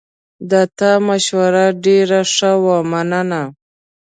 د تا مشوره ډېره ښه وه، مننه